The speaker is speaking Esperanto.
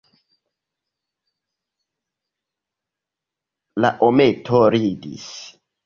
La hometo ridis!